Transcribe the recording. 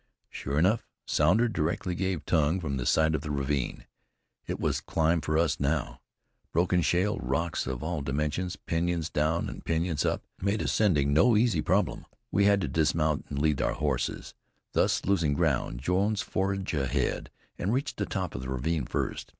Sure enough, Sounder directly gave tongue from the side of the ravine. It was climb for us now. Broken shale, rocks of all dimensions, pinyons down and pinyons up made ascending no easy problem. We had to dismount and lead the horses, thus losing ground. Jones forged ahead and reached the top of the ravine first.